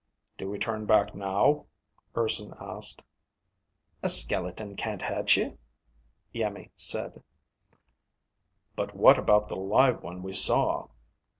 "Do we turn back now?" Urson asked. "A skeleton can't hurt you," Iimmi said. "But what about the live one we saw?"